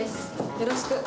よろしく。